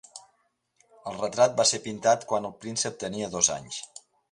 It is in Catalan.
El retrat va ser pintat quan el príncep tenia dos anys.